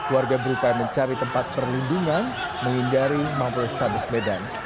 warga berupaya mencari tempat perlindungan menghindari mapol restabes medan